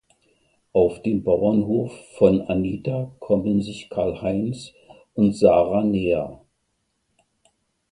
Auf dem Bauernhof von Anita kommen sich Karlheinz und Sarah näher.